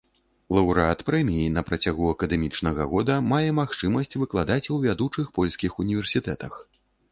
Лаўрэат прэміі на працягу акадэмічнага года мае магчымасць выкладаць у вядучых польскіх універсітэтах.